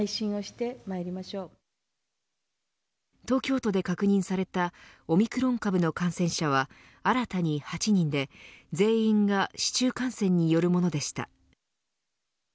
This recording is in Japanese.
東京都で確認されたオミクロン株の感染者は新たに８人で全員が市中感染によるものでした。